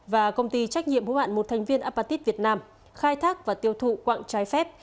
và công ty trách nhiệm hữu hạn một thành viên apatit việt nam khai thác và tiêu thụ quạng trái phép